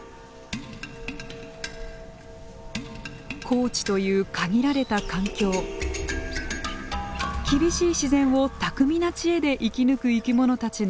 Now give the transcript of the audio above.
高地という限られた環境厳しい自然を巧みな知恵で生き抜く生き物たちの姿がありました。